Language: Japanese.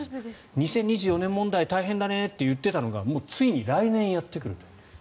２０２４年問題大変だねって言っていたのがもうついに来年やってくると。